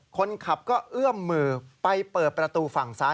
คนขับก็เอื้อมมือไปเปิดประตูฝั่งซ้าย